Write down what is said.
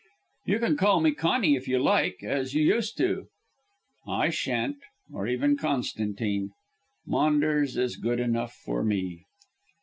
"You can call me Conny if you like, as you used to." "I shan't, or even Constantine. Maunders is good enough for me."